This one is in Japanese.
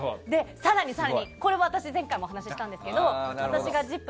更に、これも私前回お話ししたんですけど私が「ＺＩＰ！」